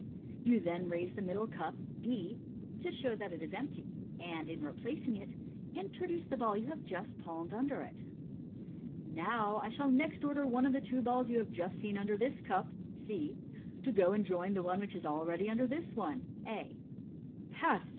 You then raise the middle cup (B), to show that it is empty, and, in replacing it, introduce the ball you have just pnlmed tinder it. " Now I shall next order one of the two balls you have just seen under this cup (C) to go and join the one which is already inder this other (A). Pass!